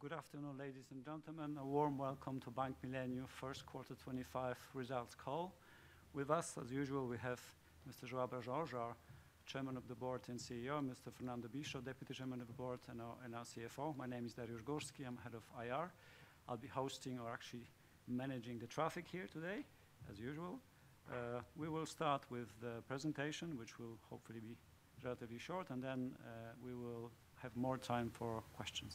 Good afternoon, ladies and gentlemen. A warm welcome to Bank Millennium First Quarter 2025 Results Call. With us, as usual, we have Mr. Joao Bras Jorge, our Chairman of the Board and CEO, and Mr. Fernando Bicho, Deputy Chairman of the Board and our CFO. My name is Dariusz Górski. I'm head of IR. I'll be hosting, or actually managing, the traffic here today, as usual. We will start with the presentation, which will hopefully be relatively short, and then we will have more time for questions.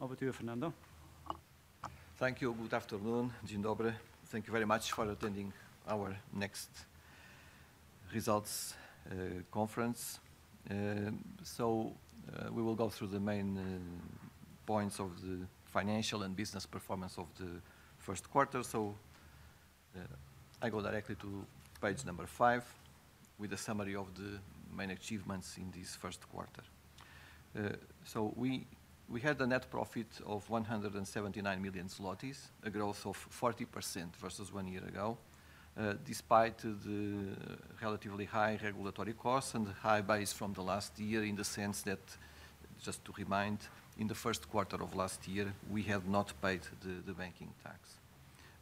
Over to you, Fernando. Thank you. Good afternoon. Dzień dobry. Thank you very much for attending our next results conference. We will go through the main points of the financial and business performance of the first quarter. I go directly to page number five with a summary of the main achievements in this first quarter. We had a net profit of 179 million zlotys, a growth of 40% versus one year ago, despite the relatively high regulatory costs and the high base from last year in the sense that, just to remind, in the first quarter of last year we had not paid the banking tax.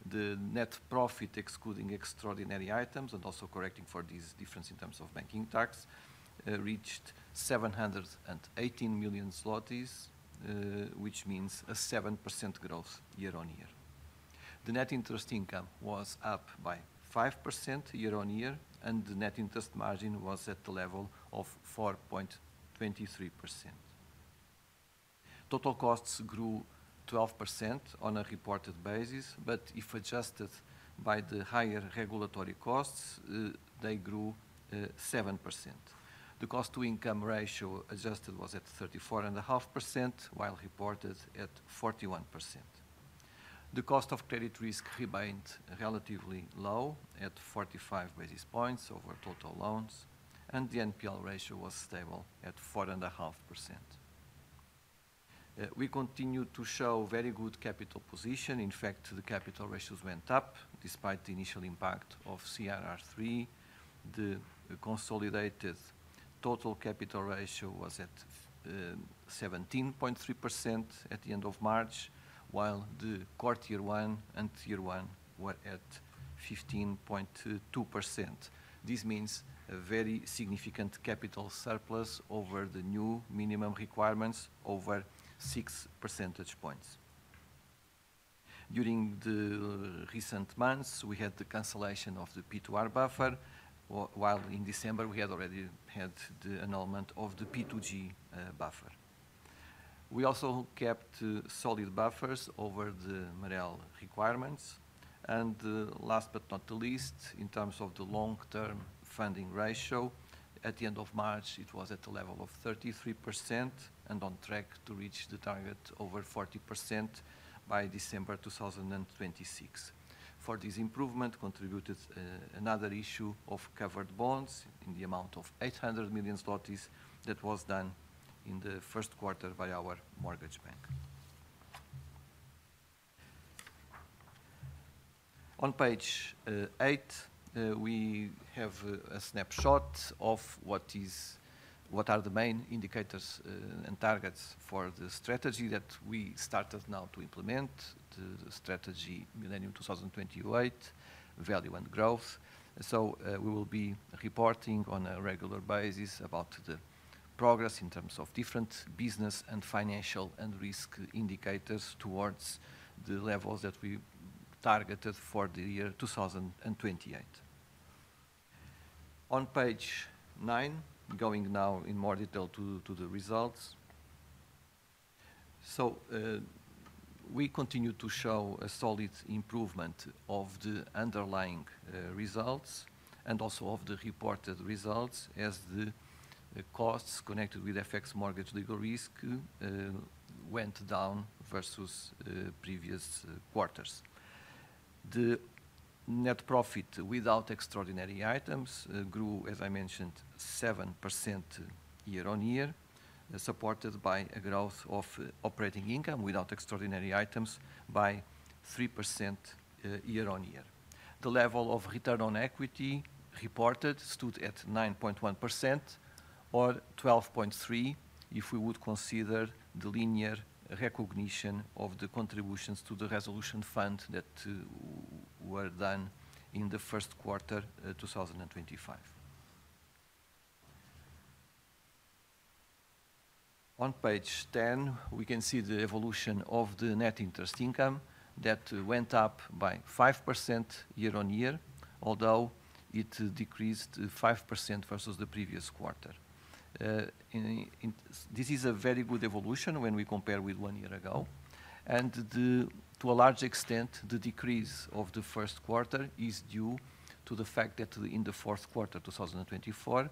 The net profit, excluding extraordinary items and also correcting for these differences in terms of banking tax, reached 718 million zlotys, which means a 7% growth year on year. The net interest income was up by 5% year on year, and the net interest margin was at the level of 4.23%. Total costs grew 12% on a reported basis, but if adjusted by the higher regulatory costs, they grew 7%. The cost-to-income ratio adjusted was at 34.5%, while reported at 41%. The cost of credit risk remained relatively low, at 45 basis points over total loans, and the NPL ratio was stable at 4.5%. We continue to show very good capital position. In fact, the capital ratios went up despite the initial impact of CRR3. The consolidated total capital ratio was at 17.3% at the end of March, while the core tier one and tier one were at 15.2%. This means a very significant capital surplus over the new minimum requirements, over 6 percentage points. During the recent months, we had the cancellation of the P2R buffer, while in December we had already had the annulment of the P2G buffer. We also kept solid buffers over the MREL requirements. Last but not least, in terms of the long-term funding ratio, at the end of March it was at the level of 33% and on track to reach the target over 40% by December 2026. For this improvement contributed another issue of covered bonds in the amount of 800 million zlotys that was done in the first quarter by our mortgage bank. On page eight, we have a snapshot of what are the main indicators and targets for the strategy that we started now to implement, the strategy Millennium 2028, value and growth. We will be reporting on a regular basis about the progress in terms of different business and financial and risk indicators towards the levels that we targeted for the year 2028. On page nine, going now in more detail to the results. We continue to show a solid improvement of the underlying results and also of the reported results as the costs connected with FX mortgage legal risk went down versus previous quarters. The net profit without extraordinary items grew, as I mentioned, 7% year on year, supported by a growth of operating income without extraordinary items by 3% year on year. The level of return on equity reported stood at 9.1%, or 12.3% if we would consider the linear recognition of the contributions to the resolution fund that were done in the first quarter 2025. On page 10, we can see the evolution of the net interest income that went up by 5% year on year, although it decreased 5% versus the previous quarter. This is a very good evolution when we compare with one year ago. To a large extent, the decrease of the first quarter is due to the fact that in the fourth quarter 2024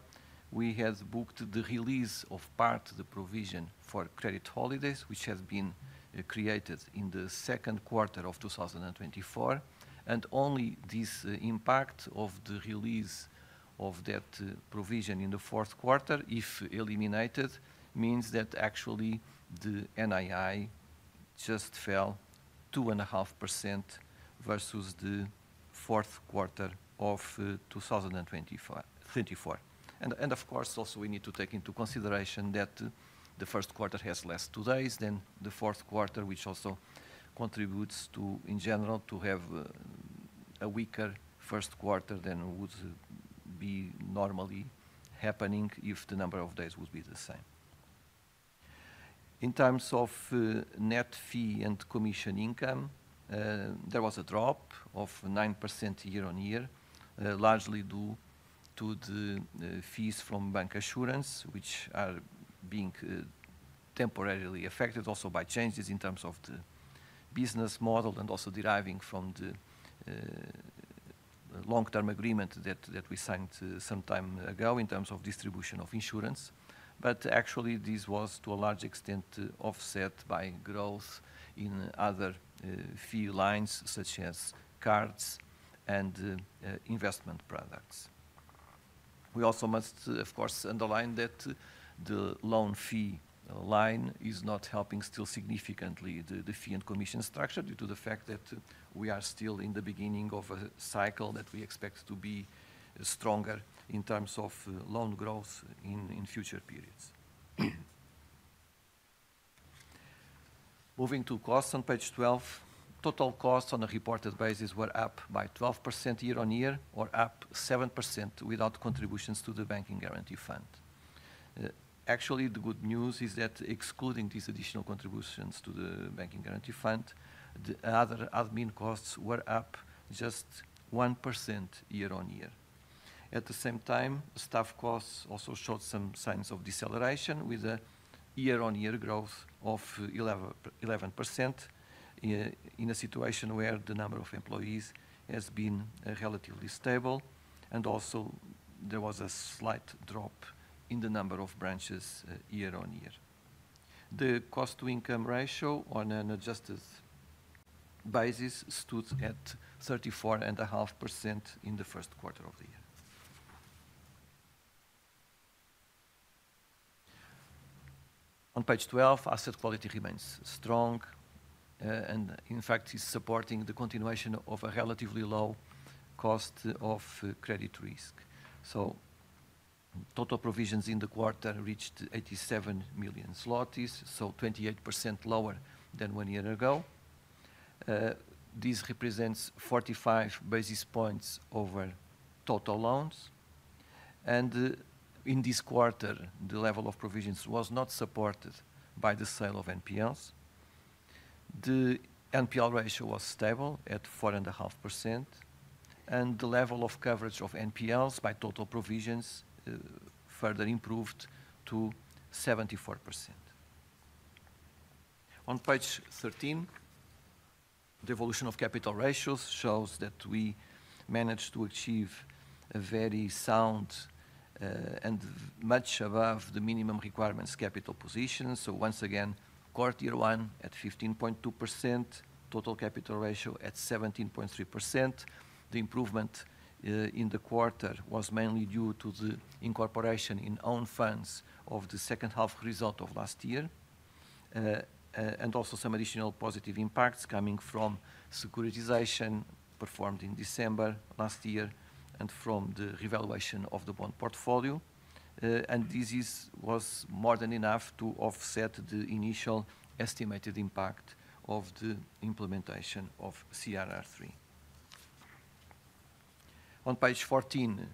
we had booked the release of part of the provision for credit holidays, which had been created in the second quarter of 2024. Only this impact of the release of that provision in the fourth quarter, if eliminated, means that actually the NII just fell 2.5% versus the fourth quarter of 2024. Of course, also we need to take into consideration that the first quarter has less two days than the fourth quarter, which also contributes, in general, to have a weaker first quarter than it would be normally happening if the number of days would be the same. In terms of net fee and commission income, there was a drop of 9% year on year, largely due to the fees from bank assurance, which are being temporarily affected also by changes in terms of the business model and also deriving from the long-term agreement that we signed some time ago in terms of distribution of insurance. Actually, this was to a large extent offset by growth in other fee lines such as cards and investment products. We also must, of course, underline that the loan fee line is not helping still significantly the fee and commission structure due to the fact that we are still in the beginning of a cycle that we expect to be stronger in terms of loan growth in future periods. Moving to costs on page 12, total costs on a reported basis were up by 12% year on year, or up 7% without contributions to the banking guarantee fund. Actually, the good news is that excluding these additional contributions to the banking guarantee fund, the other admin costs were up just 1% year on year. At the same time, staff costs also showed some signs of deceleration with a year-on-year growth of 11% in a situation where the number of employees has been relatively stable. Also, there was a slight drop in the number of branches year on year. The cost-to-income ratio on an adjusted basis stood at 34.5% in the first quarter of the year. On page 12, asset quality remains strong and, in fact, is supporting the continuation of a relatively low cost of credit risk. Total provisions in the quarter reached 87 million zlotys, so 28% lower than one year ago. This represents 45 basis points over total loans. In this quarter, the level of provisions was not supported by the sale of NPLs. The NPL ratio was stable at 4.5%, and the level of coverage of NPLs by total provisions further improved to 74%. On page 13, the evolution of capital ratios shows that we managed to achieve a very sound and much above the minimum requirements capital position. Once again, core tier one at 15.2%, total capital ratio at 17.3%. The improvement in the quarter was mainly due to the incorporation in own funds of the second half result of last year and also some additional positive impacts coming from securitization performed in December last year and from the revaluation of the bond portfolio. This was more than enough to offset the initial estimated impact of the implementation of CRR3. On page 14,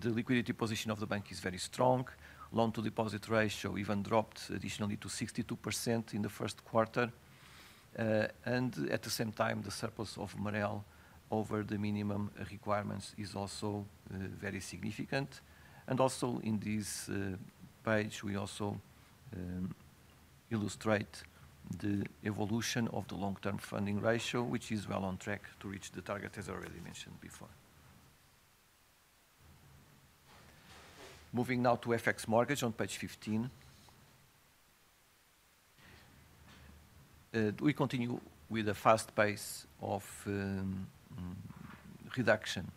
the liquidity position of the bank is very strong. Loan-to-deposit ratio even dropped additionally to 62% in the first quarter. At the same time, the surplus of MREL over the minimum requirements is also very significant. Also in this page, we also illustrate the evolution of the long-term funding ratio, which is well on track to reach the target as I already mentioned before. Moving now to FX mortgage on page 15. We continue with a fast pace of reduction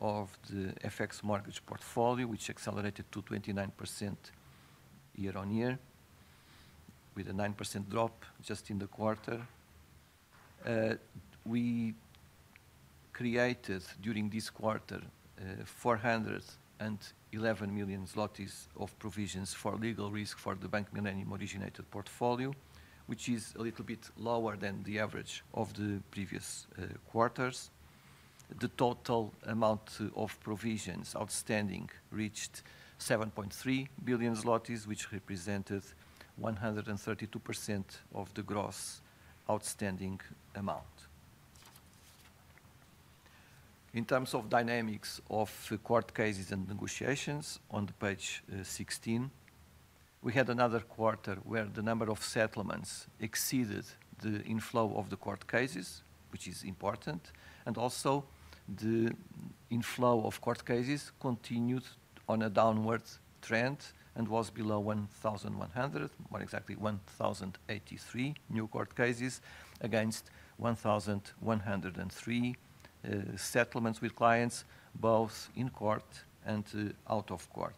of the FX mortgage portfolio, which accelerated to 29% year on year, with a 9% drop just in the quarter. We created during this quarter 411 million zlotys of provisions for legal risk for the Bank Millennium originated portfolio, which is a little bit lower than the average of the previous quarters. The total amount of provisions outstanding reached 7.3 billion zlotys, which represented 132% of the gross outstanding amount. In terms of dynamics of court cases and negotiations, on page 16, we had another quarter where the number of settlements exceeded the inflow of the court cases, which is important. Also, the inflow of court cases continued on a downward trend and was below 1,100, more exactly 1,083 new court cases against 1,103 settlements with clients, both in court and out of court.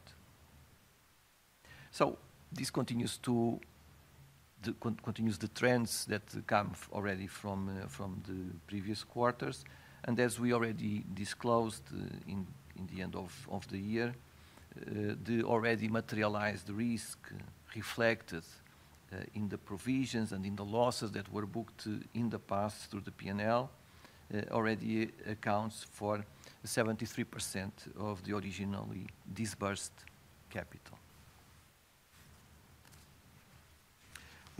This continues the trends that come already from the previous quarters. As we already disclosed in the end of the year, the already materialized risk reflected in the provisions and in the losses that were booked in the past through the P&L already accounts for 73% of the originally disbursed capital.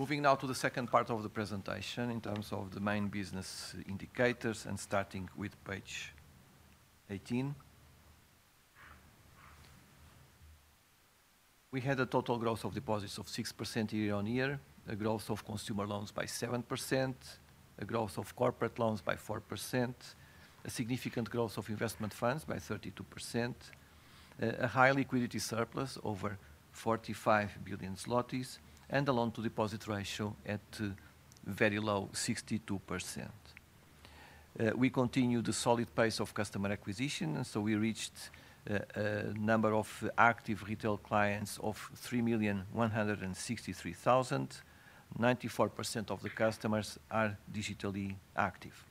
Moving now to the second part of the presentation in terms of the main business indicators and starting with page 18. We had a total growth of deposits of 6% year on year, a growth of consumer loans by 7%, a growth of corporate loans by 4%, a significant growth of investment funds by 32%, a high liquidity surplus over 45 billion zlotys, and a loan-to-deposit ratio at very low 62%. We continue the solid pace of customer acquisition, and we reached a number of active retail clients of 3,163,000. 94% of the customers are digitally active.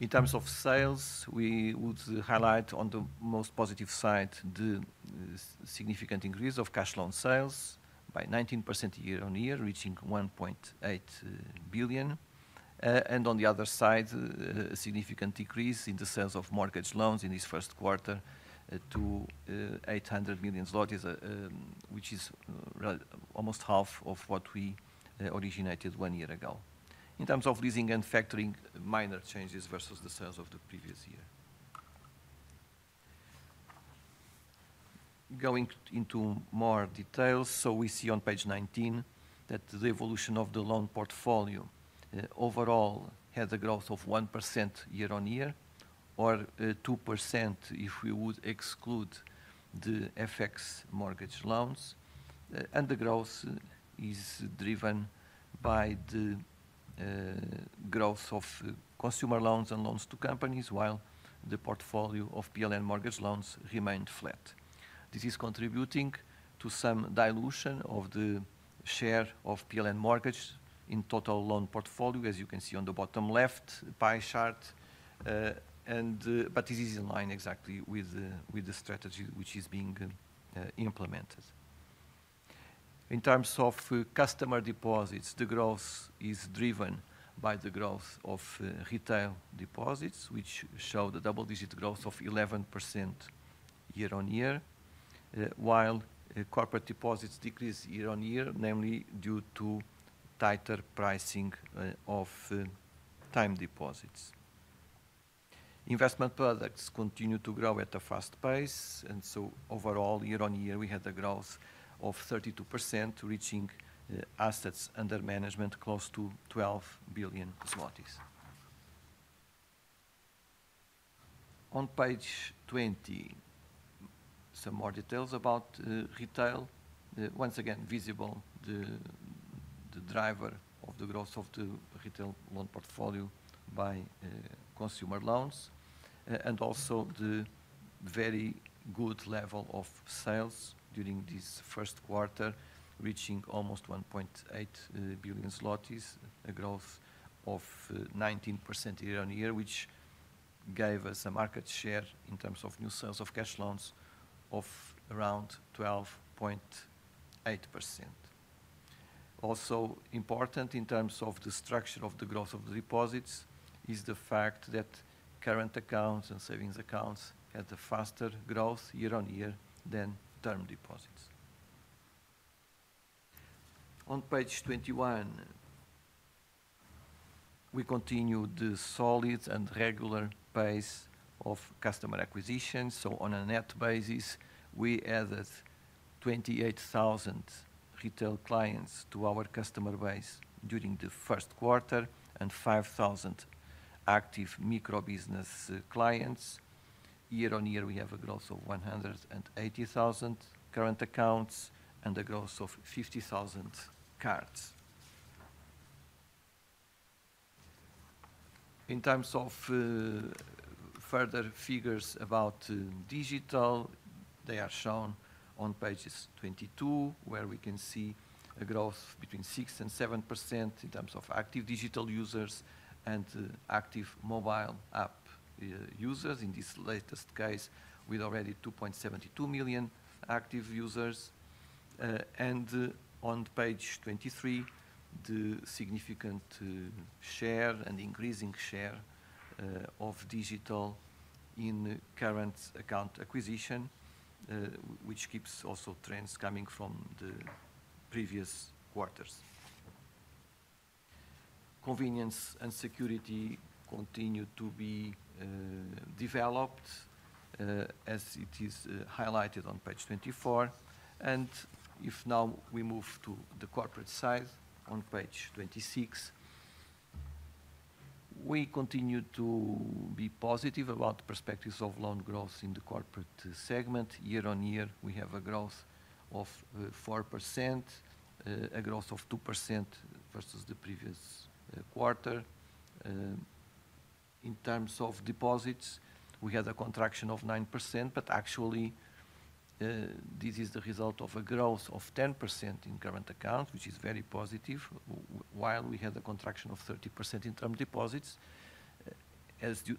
In terms of sales, we would highlight on the most positive side the significant increase of cash loan sales by 19% year on year, reaching 1.8 billion. On the other side, a significant decrease in the sales of mortgage loans in this first quarter to 800 million zlotys, which is almost half of what we originated one year ago. In terms of leasing and factoring, minor changes versus the sales of the previous year. Going into more detail, we see on page 19 that the evolution of the loan portfolio overall had a growth of 1% year on year, or 2% if we would exclude the FX mortgage loans. The growth is driven by the growth of consumer loans and loans to companies, while the portfolio of PLN mortgage loans remained flat. This is contributing to some dilution of the share of PLN mortgage in total loan portfolio, as you can see on the bottom left pie chart. This is in line exactly with the strategy which is being implemented. In terms of customer deposits, the growth is driven by the growth of retail deposits, which show the double-digit growth of 11% year on year, while corporate deposits decrease year on year, namely due to tighter pricing of time deposits. Investment products continue to grow at a fast pace. Overall, year on year, we had a growth of 32%, reaching assets under management close to 12 billion zlotys. On page 20, some more details about retail. Once again, visible the driver of the growth of the retail loan portfolio by consumer loans and also the very good level of sales during this first quarter, reaching almost 1.8 billion zlotys, a growth of 19% year on year, which gave us a market share in terms of new sales of cash loans of around 12.8%. Also important in terms of the structure of the growth of the deposits is the fact that current accounts and savings accounts had a faster growth year on year than term deposits. On page 21, we continue the solid and regular pace of customer acquisition. On a net basis, we added 28,000 retail clients to our customer base during the first quarter and 5,000 active micro-business clients. Year on year, we have a growth of 180,000 current accounts and a growth of 50,000 cards. In terms of further figures about digital, they are shown on page 22, where we can see a growth between 6% and 7% in terms of active digital users and active mobile app users. In this latest case, we had already 2.72 million active users. On page 23, the significant share and increasing share of digital in current account acquisition, which keeps also trends coming from the previous quarters. Convenience and security continue to be developed, as it is highlighted on page 24. If now we move to the corporate side on page 26, we continue to be positive about the perspectives of loan growth in the corporate segment. Year on year, we have a growth of 4%, a growth of 2% versus the previous quarter. In terms of deposits, we had a contraction of 9%, but actually, this is the result of a growth of 10% in current accounts, which is very positive, while we had a contraction of 30% in time deposits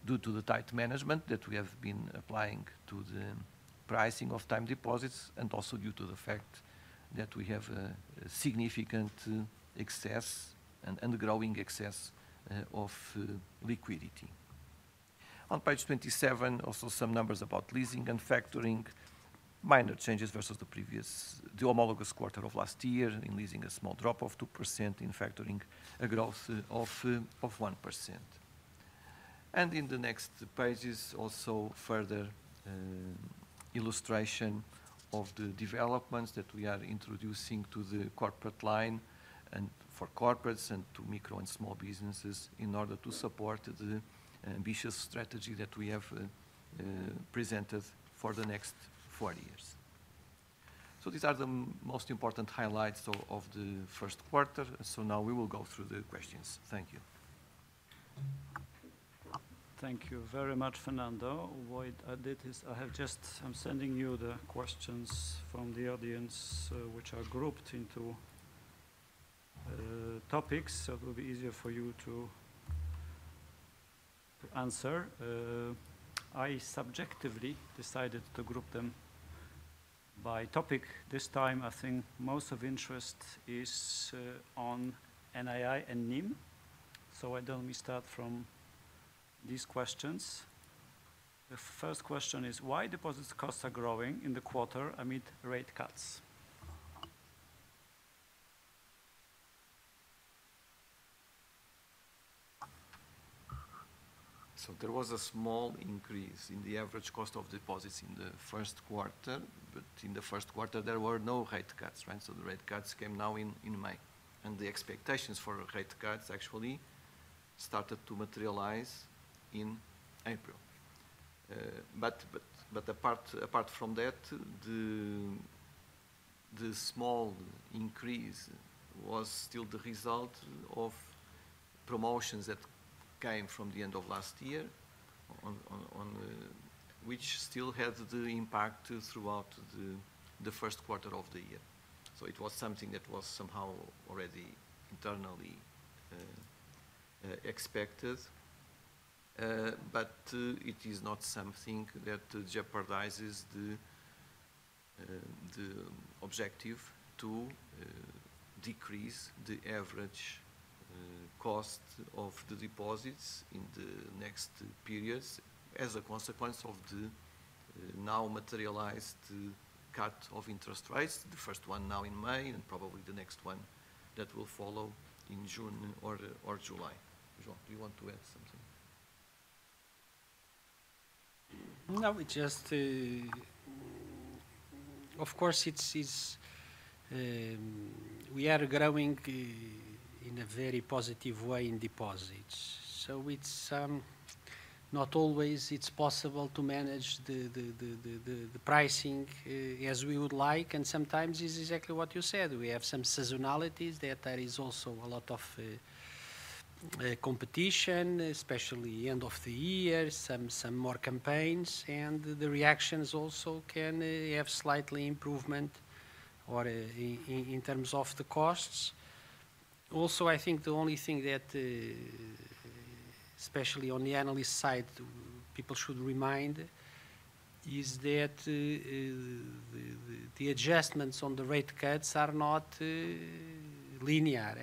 due to the tight management that we have been applying to the pricing of time deposits and also due to the fact that we have a significant excess and growing excess of liquidity. On page 27, also some numbers about leasing and factoring, minor changes versus the previous, the homologous quarter of last year in leasing a small drop of 2% in factoring, a growth of 1%. In the next pages, also further illustration of the developments that we are introducing to the corporate line and for corporates and to micro and small businesses in order to support the ambitious strategy that we have presented for the next four years. These are the most important highlights of the first quarter. Now we will go through the questions. Thank you. Thank you very much, Fernando. What I did is I have just, I am sending you the questions from the audience, which are grouped into topics that will be easier for you to answer. I subjectively decided to group them by topic. This time, I think most of interest is on NII and NIM. So I don't miss that from these questions. The first question is, why deposits costs are growing in the quarter amid rate cuts? There was a small increase in the average cost of deposits in the first quarter, but in the first quarter, there were no rate cuts, right? The rate cuts came now in May. The expectations for rate cuts actually started to materialize in April. Apart from that, the small increase was still the result of promotions that came from the end of last year, which still had the impact throughout the first quarter of the year. It was something that was somehow already internally expected. It is not something that jeopardizes the objective to decrease the average cost of the deposits in the next periods as a consequence of the now materialized cut of interest rates, the first one now in May and probably the next one that will follow in June or July. Joao, do you want to add something? No, just, of course, we are growing in a very positive way in deposits. It's not always possible to manage the pricing as we would like. Sometimes it is exactly what you said. We have some seasonalities that there is also a lot of competition, especially end of the year, some more campaigns. The reactions also can have slightly improvement in terms of the costs. Also, I think the only thing that, especially on the analyst side, people should remind is that the adjustments on the rate cuts are not linear.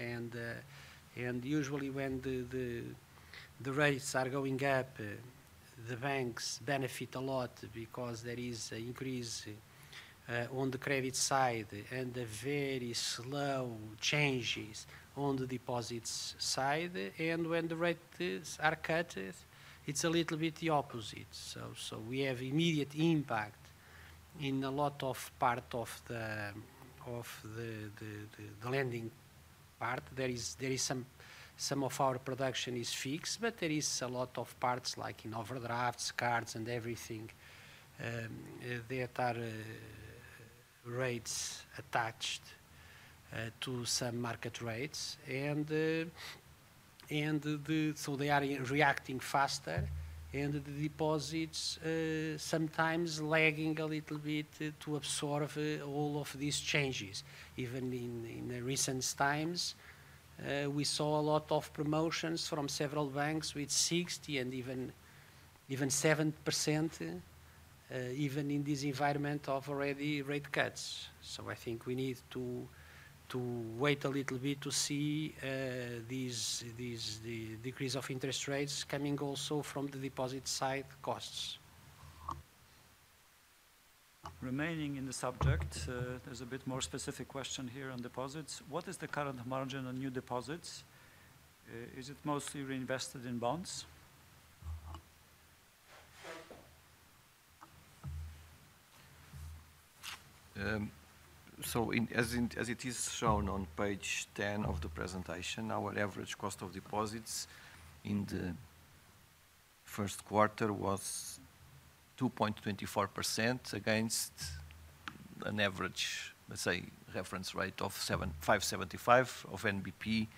Usually, when the rates are going up, the banks benefit a lot because there is an increase on the credit side and a very slow change on the deposits side. When the rates are cut, it's a little bit the opposite. We have immediate impact in a lot of parts of the lending part. There is some of our production is fixed, but there is a lot of parts like in overdrafts, cards, and everything. There are rates attached to some market rates. They are reacting faster. The deposits sometimes lagging a little bit to absorb all of these changes. Even in recent times, we saw a lot of promotions from several banks with 6% and even 7%, even in this environment of already rate cuts. I think we need to wait a little bit to see this decrease of interest rates coming also from the deposit side costs. Remaining in the subject, there is a bit more specific question here on deposits. What is the current margin on new deposits? Is it mostly reinvested in bonds? As it is shown on page 10 of the presentation, our average cost of deposits in the first quarter was 2.24% against an average, let's say, reference rate of 5.75% of NBP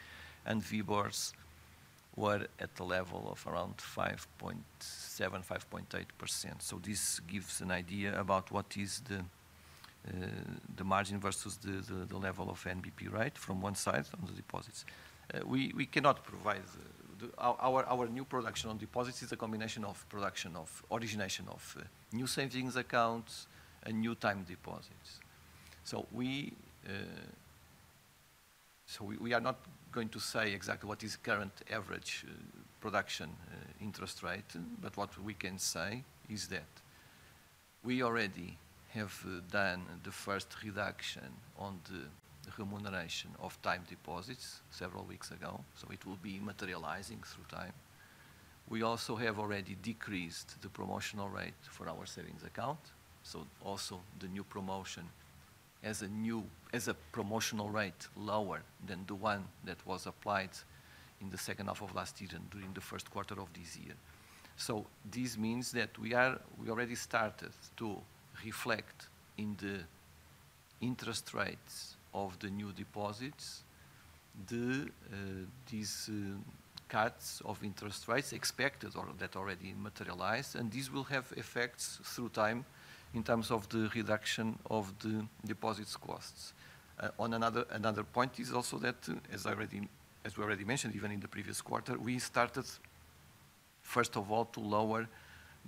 and WIBORs were at the level of around 5.7%-5.8%. This gives an idea about what is the margin versus the level of NBP rate from one side on the deposits. We cannot provide our new production on deposits is a combination of production of origination of new savings accounts and new time deposits. We are not going to say exactly what is current average production interest rate, but what we can say is that we already have done the first reduction on the remuneration of time deposits several weeks ago. It will be materializing through time. We also have already decreased the promotional rate for our savings account. Also, the new promotion has a new has a promotional rate lower than the one that was applied in the second half of last year and during the first quarter of this year. This means that we already started to reflect in the interest rates of the new deposits these cuts of interest rates expected or that already materialized. This will have effects through time in terms of the reduction of the deposits costs. Another point is also that, as we already mentioned, even in the previous quarter, we started, first of all, to lower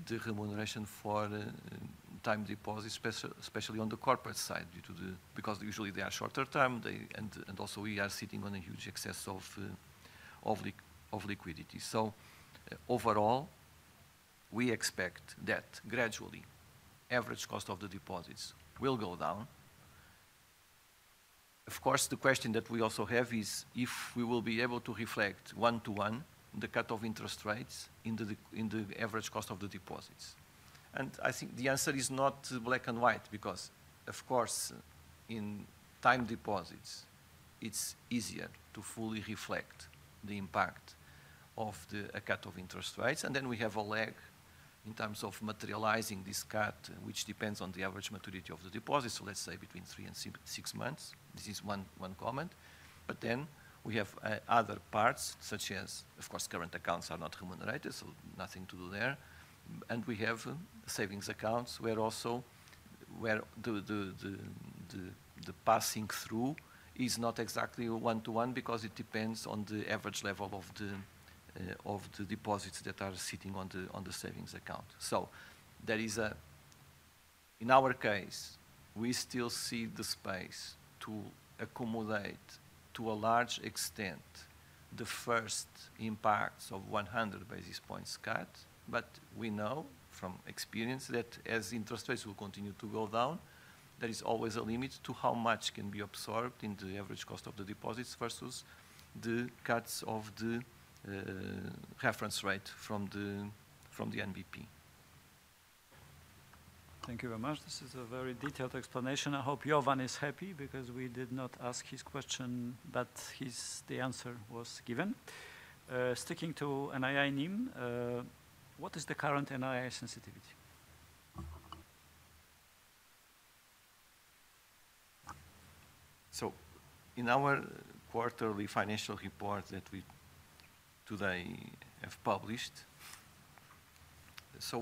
the remuneration for time deposits, especially on the corporate side, because usually they are shorter term. Also, we are sitting on a huge excess of liquidity. Overall, we expect that gradually average cost of the deposits will go down. Of course, the question that we also have is if we will be able to reflect one-to-one the cut of interest rates in the average cost of the deposits. I think the answer is not black and white because, of course, in time deposits, it's easier to fully reflect the impact of a cut of interest rates. We have a lag in terms of materializing this cut, which depends on the average maturity of the deposits, so let's say between three and six months. This is one comment. But then we have other parts such as, of course, current accounts are not remunerated, so nothing to do there. We have savings accounts where also the passing through is not exactly one-to-one because it depends on the average level of the deposits that are sitting on the savings account. In our case, we still see the space to accommodate to a large extent the first impacts of 100 basis points cut. We know from experience that as interest rates will continue to go down, there is always a limit to how much can be absorbed in the average cost of the deposits versus the cuts of the reference rate from the NBP. Thank you very much. This is a very detailed explanation. I hope Yovan is happy because we did not ask his question, but the answer was given. Sticking to NII NIM, what is the current NII sensitivity? In our quarterly financial report that we today have published,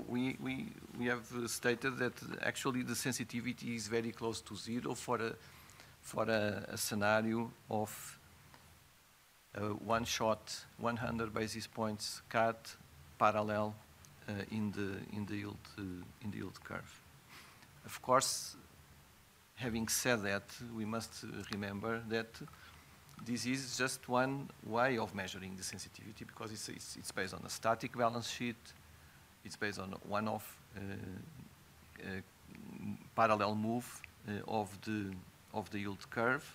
we have stated that actually the sensitivity is very close to zero for a scenario of one-shot 100 basis points cut parallel in the yield curve. Of course, having said that, we must remember that this is just one way of measuring the sensitivity because it is based on a static balance sheet. It's based on one-off parallel move of the yield curve.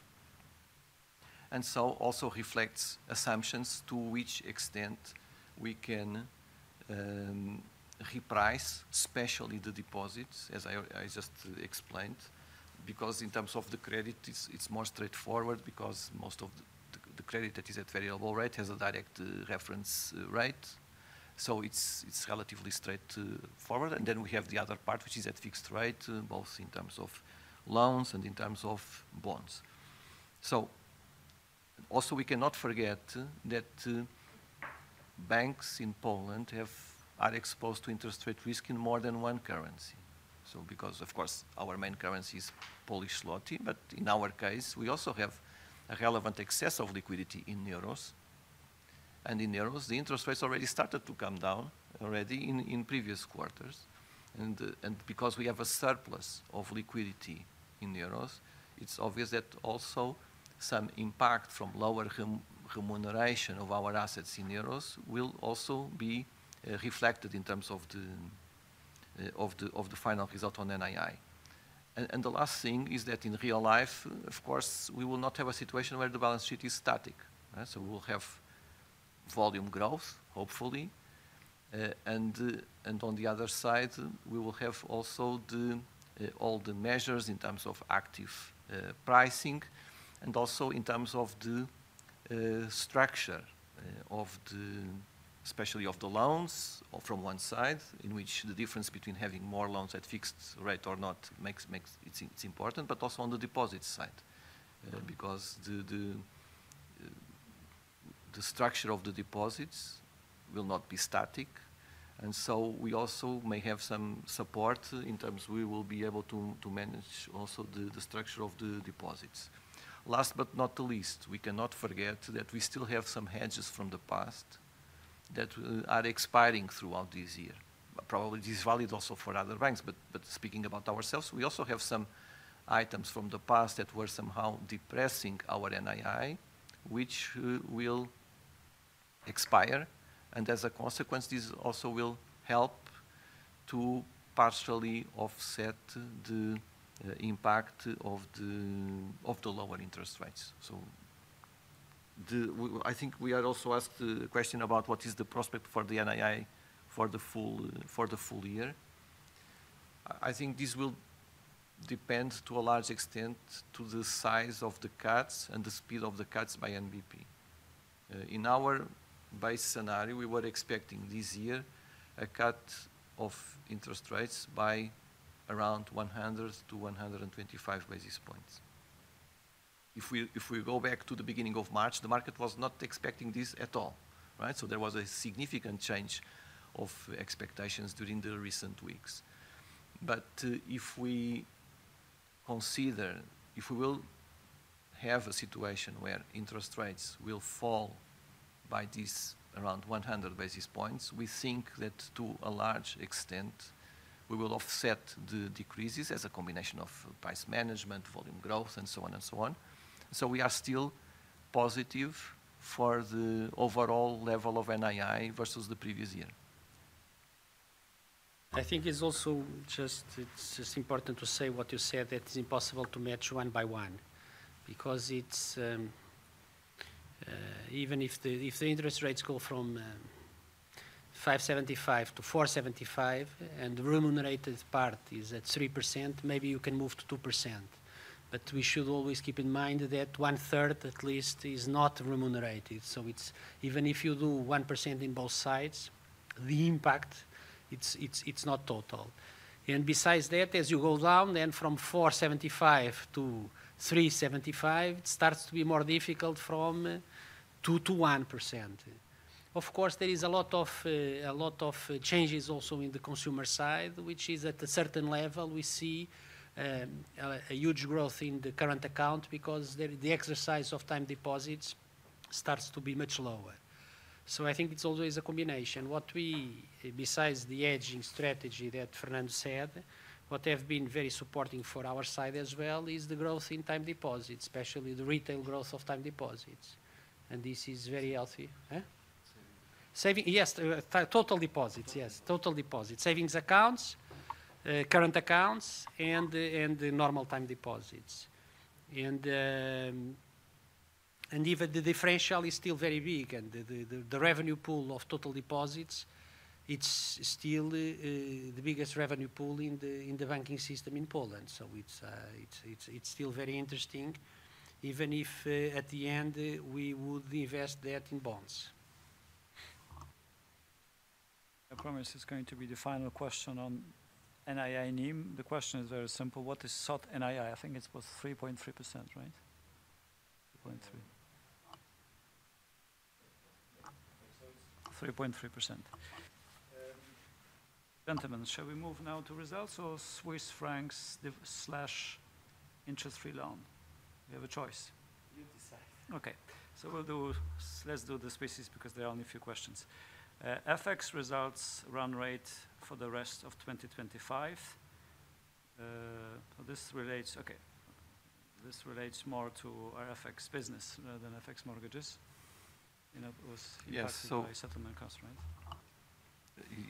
And so also reflects assumptions to which extent we can reprice, especially the deposits, as I just explained, because in terms of the credit, it's more straightforward because most of the credit that is at variable rate has a direct reference rate. It's relatively straightforward. We have the other part, which is at fixed rate, both in terms of loans and in terms of bonds. We cannot forget that banks in Poland are exposed to interest rate risk in more than one currency. Because of course, our main currency is Polish złoty, but in our case, we also have a relevant excess of liquidity in euros. In euros, the interest rates already started to come down already in previous quarters. Because we have a surplus of liquidity in euros, it's obvious that also some impact from lower remuneration of our assets in euros will also be reflected in terms of the final result on NII. The last thing is that in real life, of course, we will not have a situation where the balance sheet is static. We will have volume growth, hopefully. On the other side, we will have also all the measures in terms of active pricing and also in terms of the structure, especially of the loans from one side, in which the difference between having more loans at fixed rate or not makes it important, but also on the deposit side because the structure of the deposits will not be static. We also may have some support in terms we will be able to manage also the structure of the deposits. Last but not least, we cannot forget that we still have some hedges from the past that are expiring throughout this year. Probably this is valid also for other banks, but speaking about ourselves, we also have some items from the past that were somehow depressing our NII, which will expire. As a consequence, this also will help to partially offset the impact of the lower interest rates. I think we are also asked the question about what is the prospect for the NII for the full year. I think this will depend to a large extent to the size of the cuts and the speed of the cuts by NBP. In our base scenario, we were expecting this year a cut of interest rates by around 100-125 basis points. If we go back to the beginning of March, the market was not expecting this at all, right? There was a significant change of expectations during the recent weeks. If we consider, if we will have a situation where interest rates will fall by this around 100 basis points, we think that to a large extent, we will offset the decreases as a combination of price management, volume growth, and so on and so on. We are still positive for the overall level of NII versus the previous year. I think it's also just important to say what you said that it's impossible to match one by one because even if the interest rates go from 5.75%-4.75% and the remunerated part is at 3%, maybe you can move to 2%. We should always keep in mind that one-third at least is not remunerated. Even if you do 1% in both sides, the impact, it's not total. Besides that, as you go down then from 4.75%-3.75%, it starts to be more difficult from 2%-1%. Of course, there is a lot of changes also in the consumer side, which is at a certain level we see a huge growth in the current account because the exercise of time deposits starts to be much lower. I think it's always a combination. What we, besides the hedging strategy that Fernando said, what has been very supporting for our side as well is the growth in time deposits, especially the retail growth of time deposits. This is very healthy. Savings. Yes, total deposits. Yes, total deposits. Savings accounts, current accounts, and normal time deposits. Even the differential is still very big. The revenue pool of total deposits, it's still the biggest revenue pool in the banking system in Poland. It's still very interesting, even if at the end we would invest that in bonds. I promise this is going to be the final question on NII NIM. The question is very simple. What is sought NII? I think it was 3.3%, right? 3.3%. 3.3%. Gentlemen, shall we move now to results or Swiss francs/interest-free loan? You have a choice. You decide. Okay. Let's do the Swiss's because there are only a few questions. FX results run rate for the rest of 2025. This relates, okay. This relates more to our FX business than FX mortgages in that it was impacted by settlement costs, right?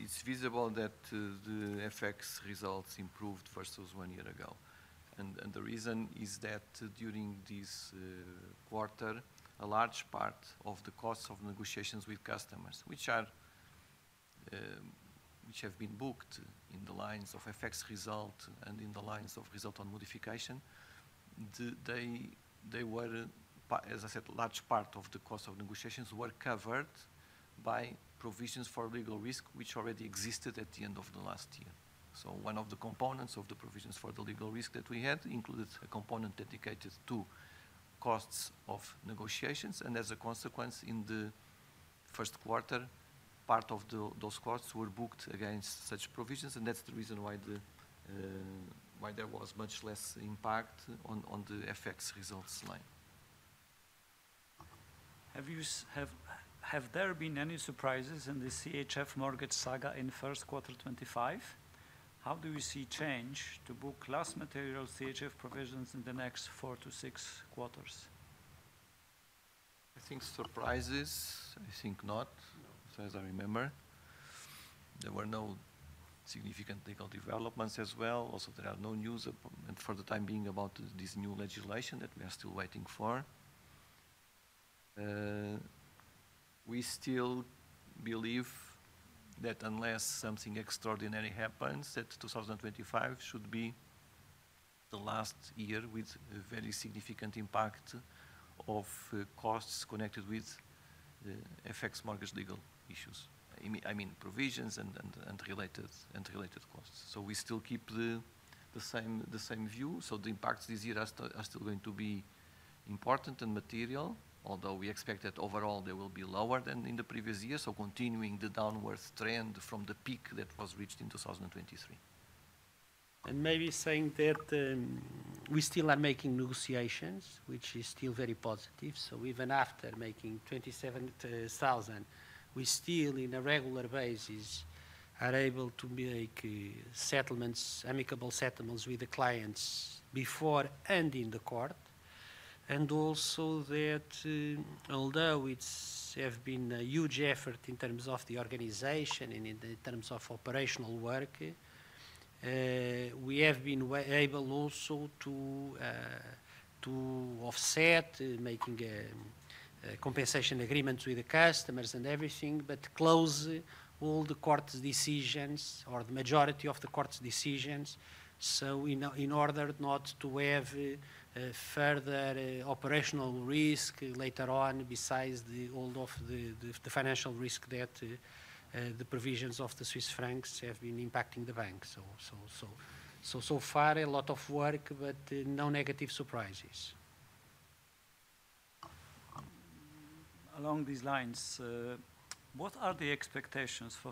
It's visible that the FX results improved versus one year ago. The reason is that during this quarter, a large part of the costs of negotiations with customers, which have been booked in the lines of FX result and in the lines of result on modification, they were, as I said, a large part of the cost of negotiations were covered by provisions for legal risk, which already existed at the end of the last year. One of the components of the provisions for the legal risk that we had included a component dedicated to costs of negotiations. As a consequence, in the first quarter, part of those costs were booked against such provisions. That is the reason why there was much less impact on the FX results line. Have there been any surprises in the CHF mortgage saga in the first quarter 2025? How do you see change to book last material CHF provisions in the next four to six quarters? I think surprises. I think not, as far as I remember. There were no significant legal developments as well. Also, there are no news for the time being about this new legislation that we are still waiting for. We still believe that unless something extraordinary happens, 2025 should be the last year with a very significant impact of costs connected with FX mortgage legal issues. I mean, provisions and related costs. We still keep the same view. The impacts this year are still going to be important and material, although we expect that overall they will be lower than in the previous year. Continuing the downward trend from the peak that was reached in 2023. Maybe saying that we still are making negotiations, which is still very positive. Even after making 27,000, we still, in a regular basis, are able to make amicable settlements with the clients before and in the court. Also, although it has been a huge effort in terms of the organization and in terms of operational work, we have been able also to offset making compensation agreements with the customers and everything, but close all the court decisions or the majority of the court decisions in order not to have further operational risk later on besides the financial risk that the provisions of the Swiss francs have been impacting the banks. So far, a lot of work, but no negative surprises. Along these lines, what are the expectations for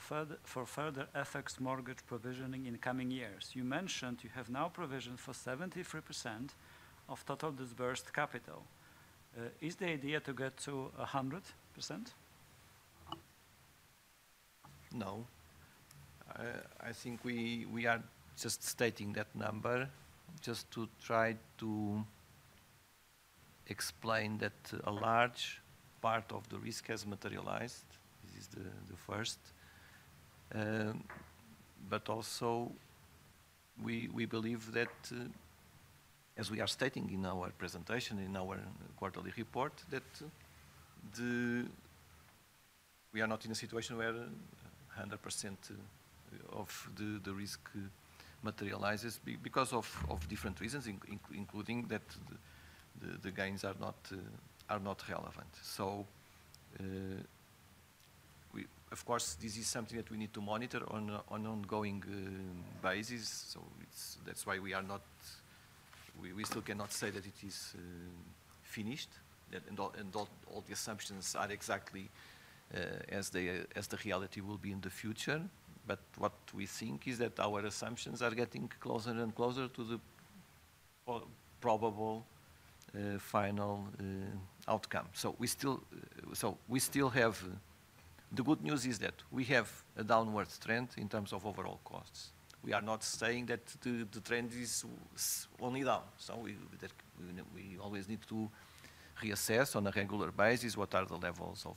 further FX mortgage provisioning in coming years? You mentioned you have now provisioned for 73% of total disbursed capital. Is the idea to get to 100%? No. I think we are just stating that number just to try to explain that a large part of the risk has materialized. This is the first. But also believe that, as we are stating in our presentation, in our quarterly report, we are not in a situation where 100% of the risk materializes because of different reasons, including that the gains are not relevant. Of course, this is something that we need to monitor on an ongoing basis. That is why we still cannot say that it is finished and all the assumptions are exactly as the reality will be in the future. What we think is that our assumptions are getting closer and closer to the probable final outcome. The good news is that we have a downward trend in terms of overall costs. We are not saying that the trend is only down. We always need to reassess on a regular basis what are the levels of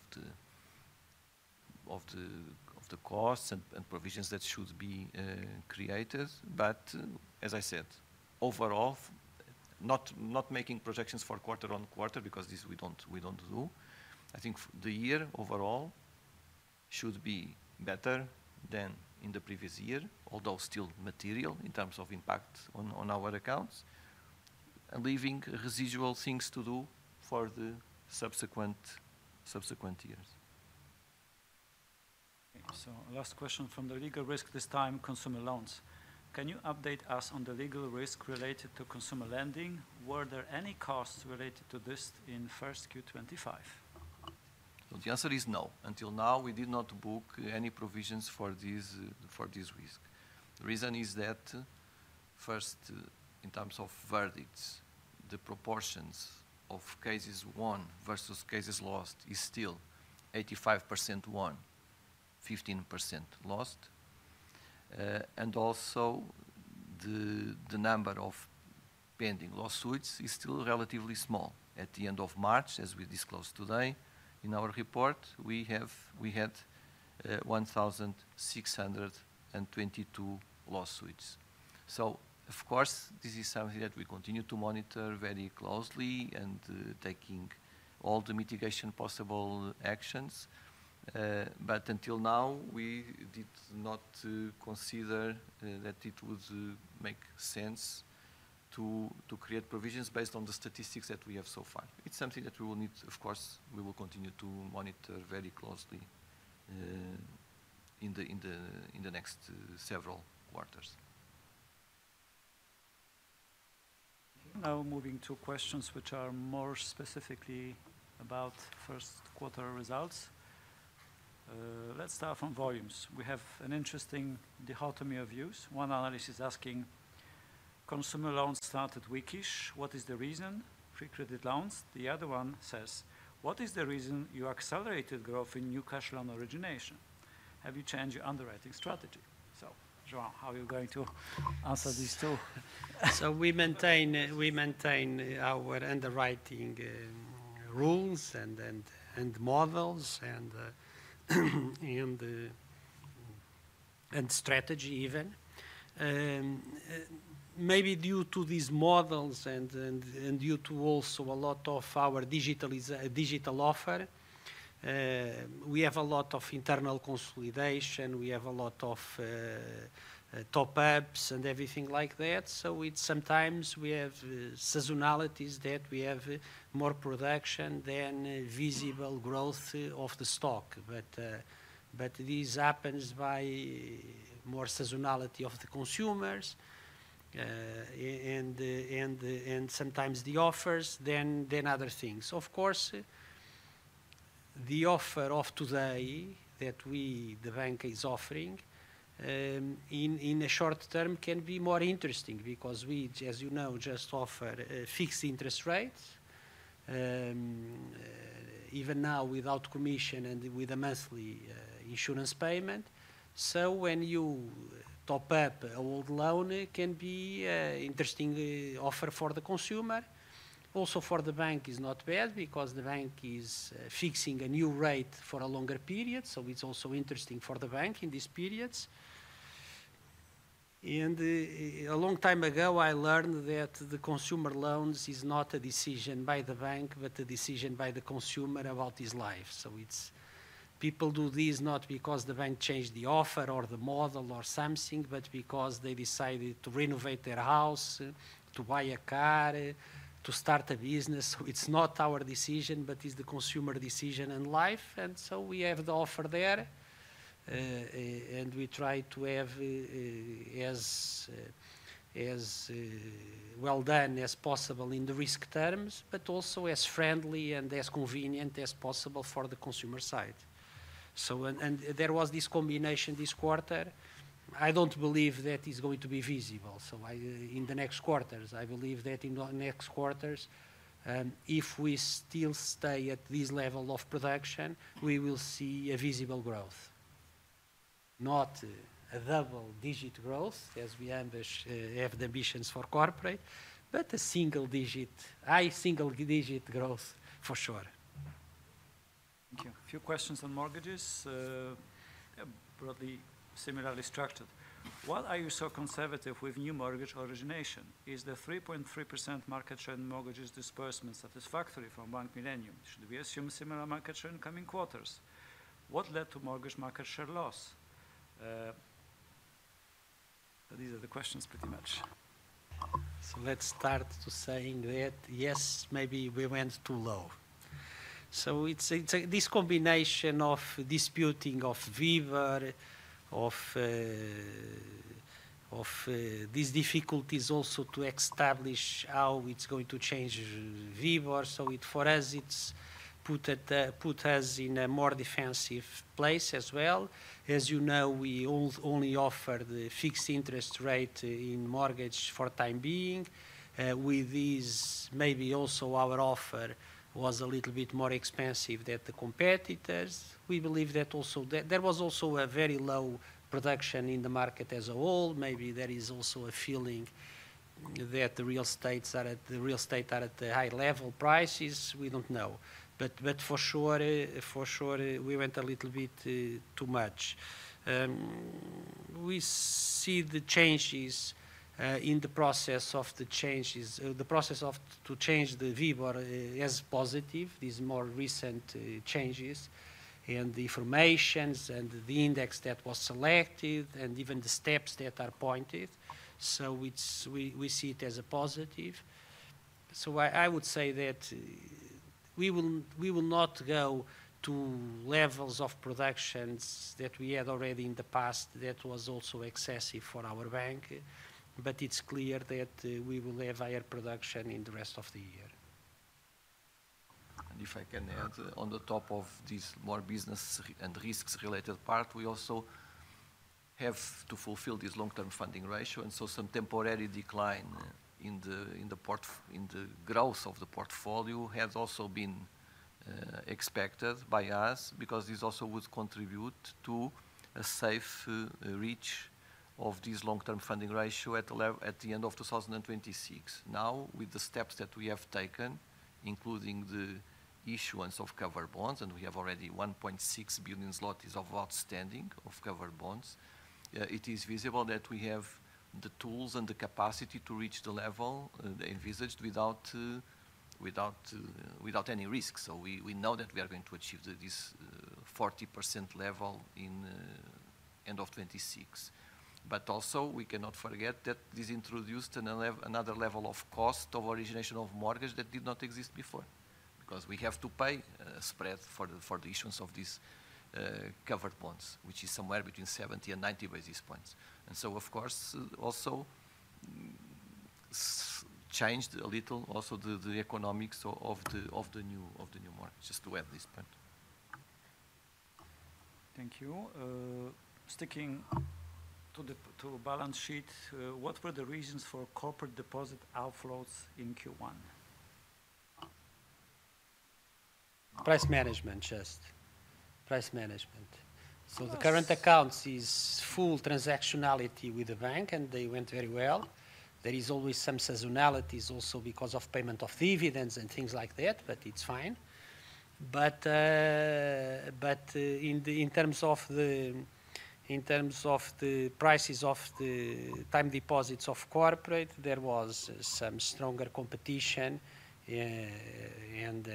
the costs and provisions that should be created. As I said, overall, not making projections for quarter on quarter because this we don't do. I think the year overall should be better than in the previous year, although still material in terms of impact on our accounts, leaving residual things to do for the subsequent years. Last question from the legal risk this time, consumer loans. Can you update us on the legal risk related to consumer lending? Were there any costs related to this in first Q25? The answer is no. Until now, we did not book any provisions for this risk. The reason is that first, in terms of verdicts, the proportions of cases won versus cases lost is still 85% won, 15% lost. Also the number of pending lawsuits is still relatively small. At the end of March, as we disclosed today in our report, we had 1,622 lawsuits. Of course, this is something that we continue to monitor very closely and taking all the mitigation possible actions. Until now, we did not consider that it would make sense to create provisions based on the statistics that we have so far. It is something that we will need, of course, we will continue to monitor very closely in the next several quarters. Now moving to questions which are more specifically about first quarter results. Let's start from volumes. We have an interesting dichotomy of views. One analyst is asking, "Consumer loans started weakish. What is the reason? Pre-credit loans." The other one says, "What is the reason you accelerated growth in new cash loan origination? Have you changed your underwriting strategy?" Joao, how are you going to answer these two? We maintain our underwriting rules and models and strategy even. Maybe due to these models and due to also a lot of our digital offer, we have a lot of internal consolidation. We have a lot of top-ups and everything like that. Sometimes we have seasonalities that we have more production than visible growth of the stock. This happens by more seasonality of the consumers and sometimes the offers then other things. Of course, the offer of today that, we, the bank is offering in the short term can be more interesting because we, as you know, just offer fixed interest rates, even now without commission and with a monthly insurance payment. When you top up an old loan, it can be an interesting offer for the consumer. Also for the bank, it's not bad because the bank is fixing a new rate for a longer period. It's also interesting for the bank in these periods. A long time ago, I learned that the consumer loans is not a decision by the bank, but a decision by the consumer about his life. People do this not because the bank changed the offer or the model or something, but because they decided to renovate their house, to buy a car, to start a business. It's not our decision, but it's the consumer decision and life. And so we have the offer there and we try to have as well done as possible in the risk terms, but also as friendly and as convenient as possible for the consumer side. There was this combination this quarter. I don't believe that is going to be visible. In the next quarters, I believe that in the next quarters, if we still stay at this level of production, we will see a visible growth. Not a double-digit growth as we have the ambitions for corporate, but high single-digit growth for sure. Thank you. A few questions on mortgages. Yeah, broadly similarly structured. Why are you so conservative with new mortgage origination? Is the 3.3% market share in mortgages disbursement satisfactory from Bank Millennium? Should we assume a similar market share in coming quarters? What led to mortgage market share loss? These are the questions pretty much. Let's start to saying that, yes, maybe we went too low. It is this combination of disputing of WIBOR, of these difficulties also to establish how it is going to change WIBOR. For us, it puts us in a more defensive place as well. As you know, we only offer the fixed interest rate in mortgage for the time being. With these, maybe also our offer was a little bit more expensive than the competitors. We believe that also there was also a very low production in the market as a whole. Maybe there is also a feeling that the real estate are at the high-level prices. We don't know. For sure, we went a little bit too much. We see the changes in the process of the changes, the process to change the WIBOR as positive, these more recent changes and the information and the index that was selected and even the steps that are pointed. We see it as a positive. I would say that we will not go to levels of productions that we had already in the past that was also excessive for our bank. It is clear that we will have higher production in the rest of the year. If I can add on top of this more business and risks-related part, we also have to fulfill this long-term funding ratio. Some temporary decline in the growth of the portfolio has also been expected by us because this also would contribute to a safe reach of this long-term funding ratio at the end of 2026. Now, with the steps that we have taken, including the issuance of covered bonds, and we have already 1.6 billion zloty of outstanding covered bonds, it is visible that we have the tools and the capacity to reach the level envisaged without any risk. We know that we are going to achieve this 40% level in end of 2026. But also, we cannot forget that this introduced another level of cost of origination of mortgage that did not exist before because we have to pay a spread for the issuance of these covered bonds, which is somewhere between 70 and 90 basis points. Of course, it also changed a little also the economics of the new market just to add this point. Thank you. Sticking to the balance sheet, what were the reasons for corporate deposit outflows in Q1? Price management, just price management. The current accounts is full transactionality with the bank and they went very well. There is always some seasonalities also because of payment of dividends and things like that, but it's fine. In terms of the prices of the time deposits of corporate, there was some stronger competition and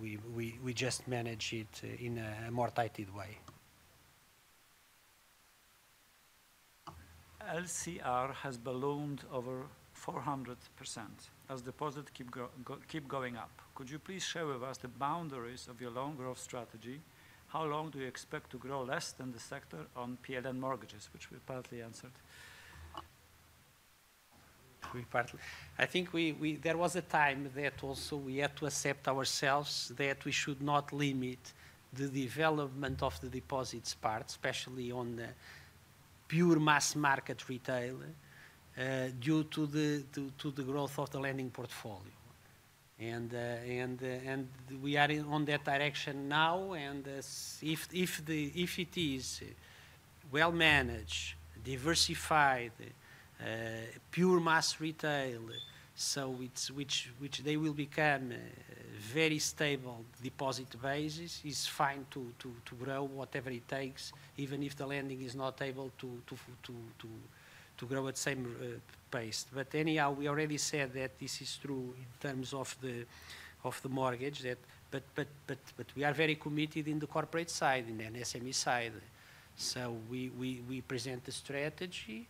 we just managed it in a more tighted way. LCR has ballooned over 400% as deposits keep going up. Could you please share with us the boundaries of your long-growth strategy? How long do you expect to grow less than the sector on PLN mortgages, which we partly answered? I think there was a time that also we had to accept ourselves that we should not limit the development of the deposits part, especially on the pure mass market retail due to the growth of the lending portfolio. We are on that direction now. If it is well-managed, diversified, pure mass retail, so which they will become very stable deposit basis, it's fine to grow whatever it takes, even if the lending is not able to grow at the same pace. Anyhow, we already said that this is true in terms of the mortgage. We are very committed in the corporate side and SME side. We present a strategy.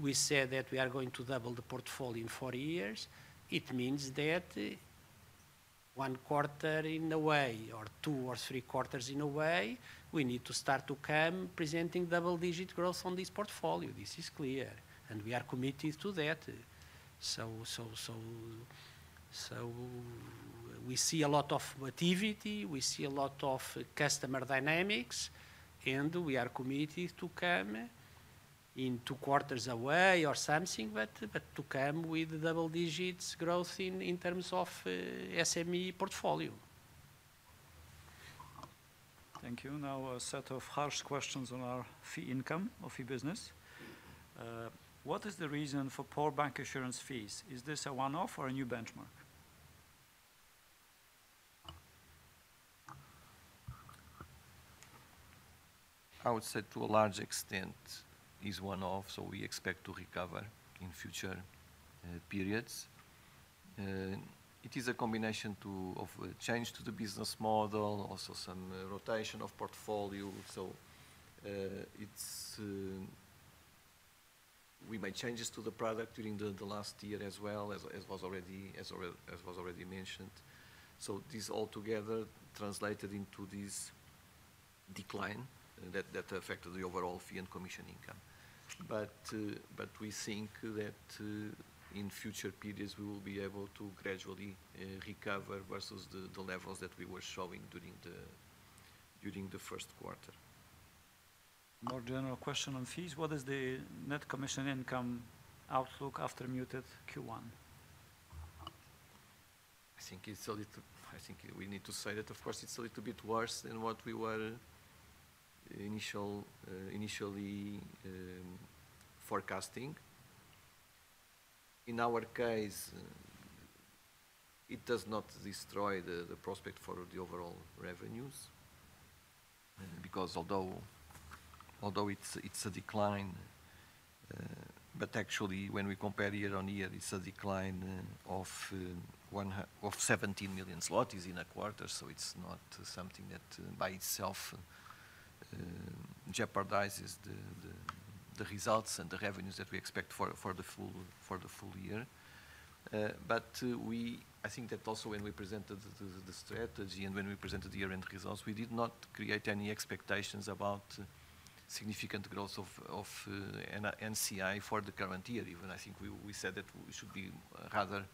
We said that we are going to double the portfolio in four years. It means that one quarter in a way or two or three quarters in a way, we need to start to come presenting double-digit growth on this portfolio. This is clear. We are committed to that. We see a lot of activity. We see a lot of customer dynamics. We are committed to come in two quarters away or something, but to come with double-digit growth in terms of SME portfolio. Thank you. Now, a set of harsh questions on our fee income or fee business. What is the reason for poor bank assurance fees? Is this a one-off or a new benchmark? I would say to a large extent is one-off. We expect to recover in future periods. It is a combination of change to the business model, also some rotation of portfolio. We made changes to the product during the last year as well, as was already mentioned. This all together translated into this decline that affected the overall fee and commission income. We think that in future periods, we will be able to gradually recover versus the levels that we were showing during the first quarter. More general question on fees. What is the net commission income outlook after muted Q1? I think we need to say that, of course, it is a little bit worse than what we were initially forecasting. In our case, it does not destroy the prospect for the overall revenues because although it's a decline, actually when we compare year on year, it is a decline of 17 million zlotys in a quarter. It is not something that by itself jeopardizes the results and the revenues that we expect for the full year. I think that also when we presented the strategy and when we presented the year-end results, we did not create any expectations about significant growth of NCI for the current year. Even I think we said that we should be rather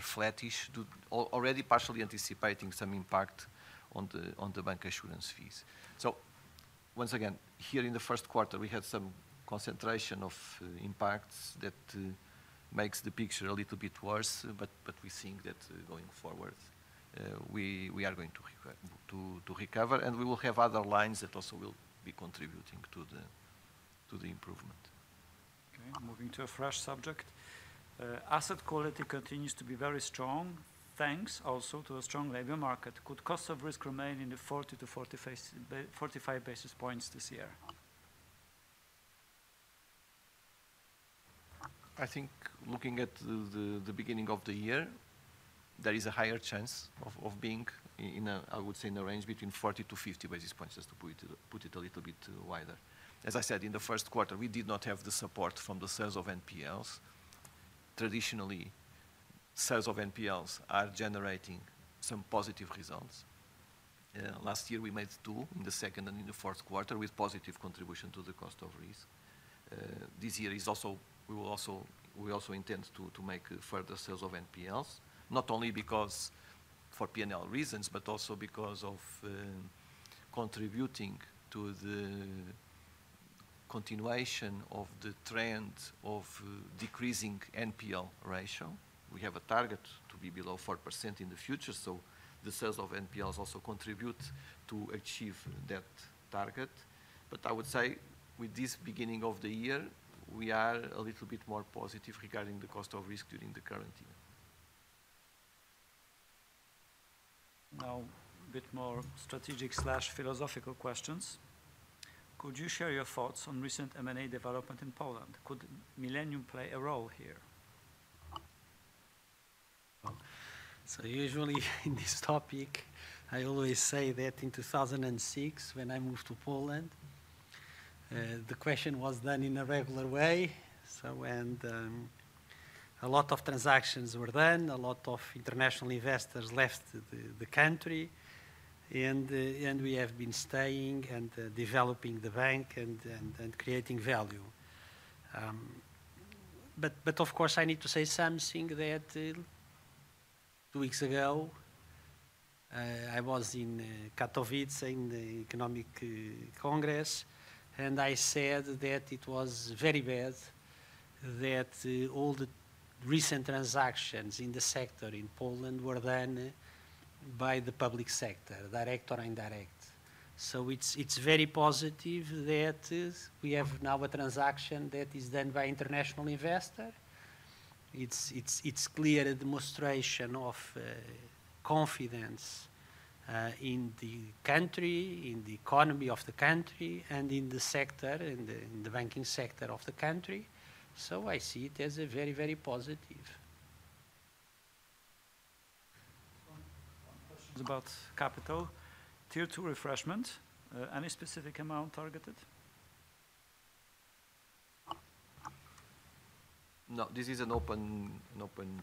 flattish, already partially anticipating some impact on the bank assurance fees. Once again, here in the first quarter, we had some concentration of impacts that makes the picture a little bit worse. We think that going forward, we are going to recover. We will have other lines that also will be contributing to the improvement. Okay. Moving to a fresh subject. Asset quality continues to be very strong, thanks also to a strong labor market. Could cost of risk remain in the 40-45 basis points this year? I think looking at the beginning of the year, there is a higher chance of being, I would say, in the range between 40-50 basis points just to put it a little bit wider. As I said, in the first quarter, we did not have the support from the sales of NPLs. Traditionally, sales of NPLs are generating some positive results. Last year, we made two in the second and in the fourth quarter with positive contribution to the cost of risk. This year we also intend to make further sales of NPLs, not only because for P&L reasons, but also because of contributing to the continuation of the trend of decreasing NPL ratio. We have a target to be below 4% in the future. The sales of NPLs also contribute to achieve that target. I would say with this beginning of the year, we are a little bit more positive regarding the cost of risk during the current year. Now, a bit more strategic/philosophical questions. Could you share your thoughts on recent M&A development in Poland? Could Millennium play a role here? Usually in this topic, I always say that in 2006, when I moved to Poland, the question was done in a regular way. And a lot of transactions were done, a lot of international investors left the country. We have been staying and developing the bank and creating value. Of course, I need to say something that two weeks ago, I was in Katowice in the Economic Congress and I said that it was very bad that all the recent transactions in the sector in Poland were done by the public sector, direct or indirect. It is very positive that we have now a transaction that is done by an international investor. It is a clear demonstration of confidence in the country, in the economy of the country, and in the sector, in the banking sector of the country. I see it as very, very positive. One question about capital. Tier two refreshment. Any specific amount targeted? No. This is an open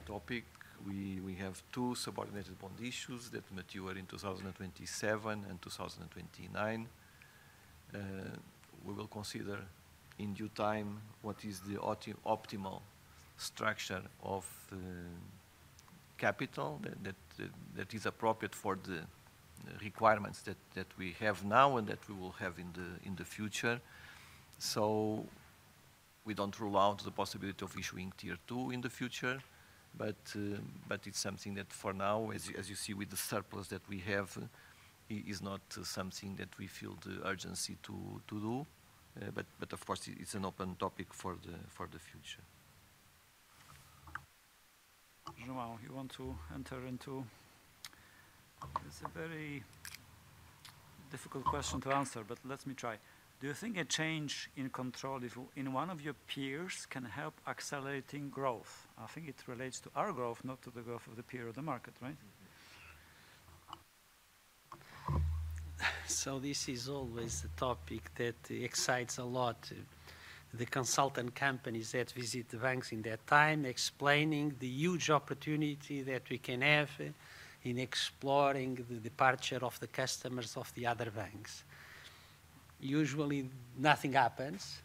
topic. We have two subordinated bond issues that mature in 2027 and 2029. We will consider in due time what is the optimal structure of capital that is appropriate for the requirements that we have now and that we will have in the future. We don't rule out the possibility of issuing tier two in the future. It is something that for now, as you see with the surplus that we have, is not something that we feel the urgency to do. Of course, it's an open topic for the future. Joao, you want to enter into? It's a very difficult question to answer, but let me try. Do you think a change in control in one of your peers can help accelerating growth? I think it relates to our growth, not to the growth of the peer or the market, right? This is always a topic that excites a lot. The consultant companies that visit the banks in that time explaining the huge opportunity that we can have in exploring the departure of the customers of the other banks. Usually, nothing happens.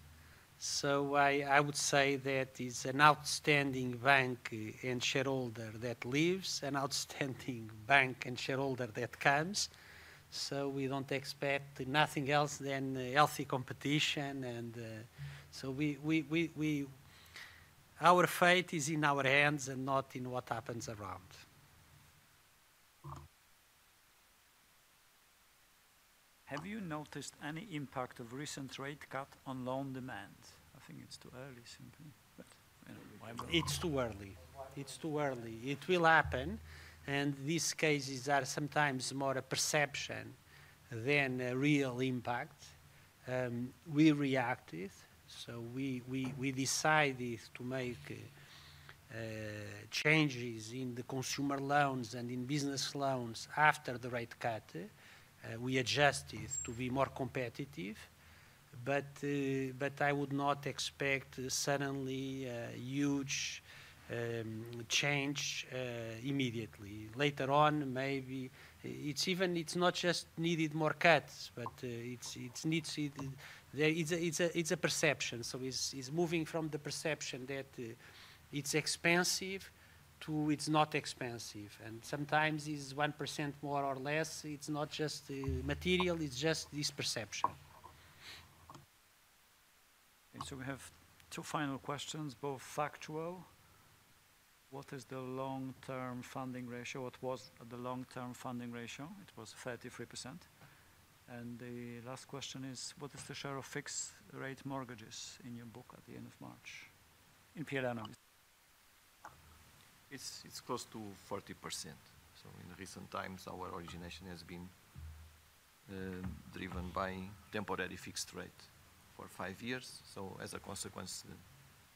I would say that it's an outstanding bank and shareholder that leaves, an outstanding bank and shareholder that comes. We don't expect nothing else than healthy competition. Our fate is in our hands and not in what happens around. Have you noticed any impact of recent rate cut on loan demand? I think it's too early, simply. It's too early. It will happen. These cases are sometimes more a perception than a real impact. We reacted. We decided to make changes in the consumer loans and in business loans after the rate cut. We adjusted to be more competitive. I would not expect suddenly a huge change immediately. Later on, maybe it's not just needed more cuts, but it's a perception. It's moving from the perception that it's expensive to it's not expensive. Sometimes it's 1% more or less. It's not just material. It's just this perception. We have two final questions, both factual. What is the long-term funding ratio? What was the long-term funding ratio? It was 33%. The last question is, what is the share of fixed-rate mortgages in your book at the end of March in PLN only? It's close to 40%. In recent times, our origination has been driven by temporary fixed rate for five years. As a consequence, the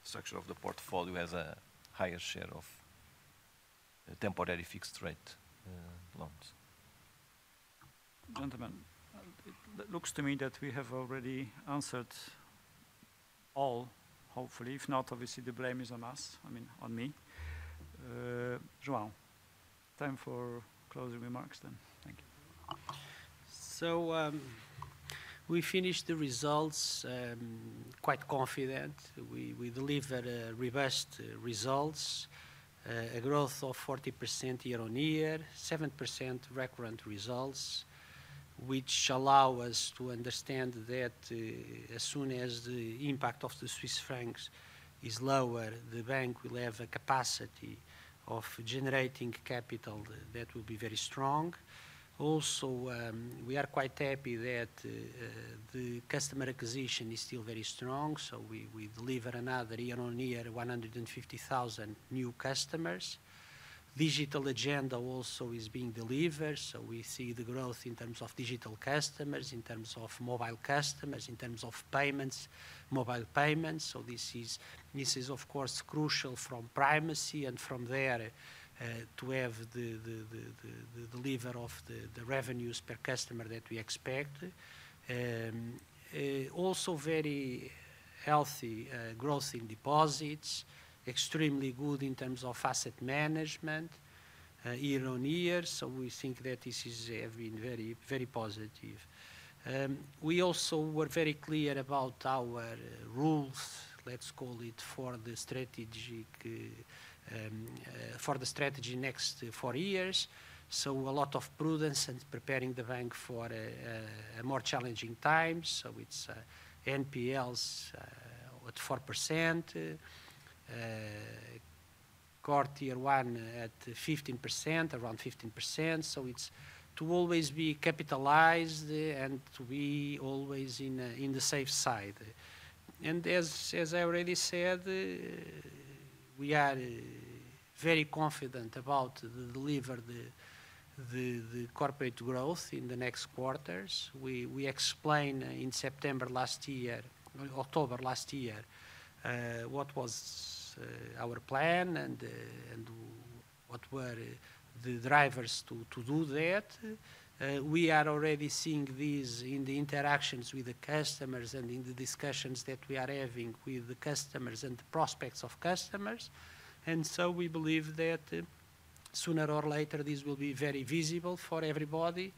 structure of the portfolio has a higher share of temporary fixed-rate loans. Gentlemen, it looks to me that we have already answered all, hopefully. If not, obviously the blame is on us. I mean, on me. Joao, time for closing remarks then. Thank you. We finished the results quite confident. We delivered reversed results, a growth of 40% year on year, 7% recurrent results, which allow us to understand that as soon as the impact of the Swiss francs is lower, the bank will have a capacity of generating capital that will be very strong. Also, we are quite happy that the customer acquisition is still very strong. We deliver another year on year, 150,000 new customers. Digital agenda also is being delivered. We see the growth in terms of digital customers, in terms of mobile customers, in terms of payments, mobile payments. This is, of course, crucial from primacy and from there to have the delivery of the revenues per customer that we expect. Also very healthy growth in deposits, extremely good in terms of asset management year on year. We think that this has been very positive. We also were very clear about our rules, let's call it, for the strategy next four years. A lot of prudence and preparing the bank for more challenging times. It's NPLs at 4%, core tier one at 15%, around 15%. It's to always be capitalized and to be always in the safe side. As I already said, we are very confident about the delivered corporate growth in the next quarters. We explained in September last year, October last year, what was our plan and what were the drivers to do that. We are already seeing this in the interactions with the customers and in the discussions that we are having with the customers and the prospects of customers. We believe that sooner or later, this will be very visible for everybody.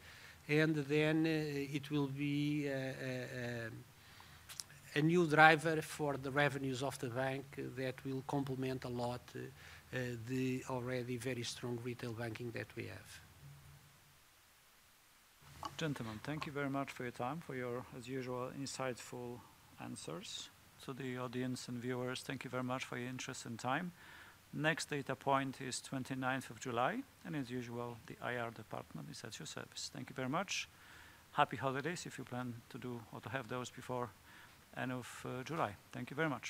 It will be a new driver for the revenues of the bank that will complement a lot the already very strong retail banking that we have. Gentlemen, thank you very much for your time, for your, as usual, insightful answers. To the audience and viewers, thank you very much for your interest and time. Next data point is 29th of July. As usual, the IR department is at your service. Thank you very much. Happy holidays if you plan to do or to have those before end of July. Thank you very much.